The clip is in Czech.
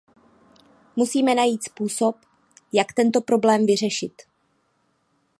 Musíme najít způsob, jak tento problém vyřešit.